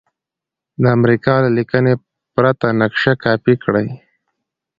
د امریکا له لیکنې پرته نقشه کاپي کړئ.